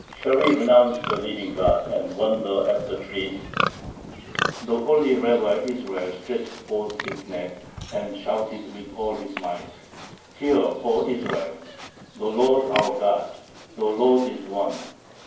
Shall we renounce the living God, and wander after trees?" The holy Rabbi Israel stretched forth his neck, and shouted with all his might: "Hear, O Israel, the Lord our God, the Lord is one."